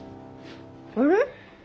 あれ？